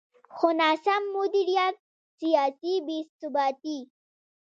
خو ناسم مدیریت، سیاسي بې ثباتي.